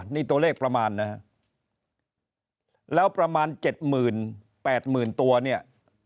นี่ตัวเลขประมาณนะฮะแล้วประมาณเจ็ดหมื่นแปดหมื่นตัวเนี่ย